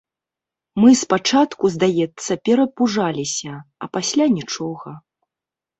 Мы спачатку, здаецца, перапужаліся, а пасля нічога.